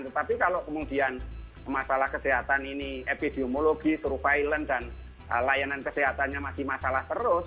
tetapi kalau kemudian masalah kesehatan ini epidemiologi surveillance dan layanan kesehatannya masih masalah terus